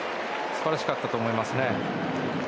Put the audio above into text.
素晴らしかったと思います。